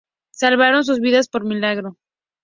Salvaron sus vidas por milagro.